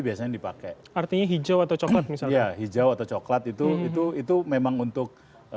biasanya dipakai artinya hijau atau coklat misalnya hijau atau coklat itu itu memang untuk